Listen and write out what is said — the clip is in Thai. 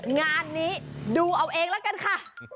งานนี้ดูเอาเองแล้วกันค่ะ